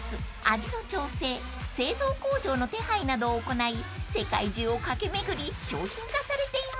味の調整製造工場の手配などを行い世界中を駆け巡り商品化されています］